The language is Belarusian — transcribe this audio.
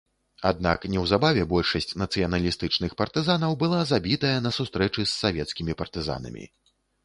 Аднак неўзабаве большасць нацыяналістычных партызанаў была забітая на сустрэчы з савецкімі партызанамі.